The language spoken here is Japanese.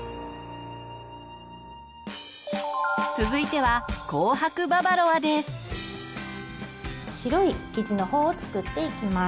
続いては白い生地の方を作っていきます。